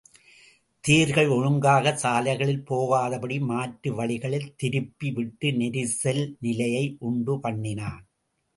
தேர்கள் ஒழுங்காகச் சாலைகளில் போகாதபடி மாற்று வழிகளில் திருப்பி விட்டு நெரிசல் நிலையை உண்டு பண்ணினான்.